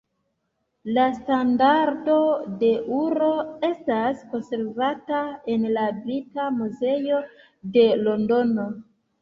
La Standardo de Ur estas konservata en la Brita Muzeo de Londono.